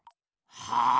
はあ？